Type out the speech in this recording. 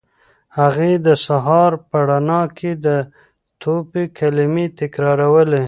هغې د سهار په رڼا کې د توبې کلمې تکرارولې.